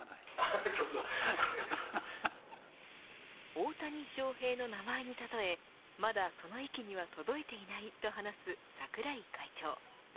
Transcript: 大谷翔平の名前に例えまだその域には届いていないと話す桜井会長。